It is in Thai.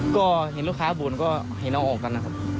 ก็เห็นลูกค้าบ่นก็ให้น้องออกกันนะครับ